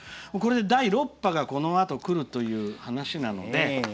第６波がこのあと来るという話なので。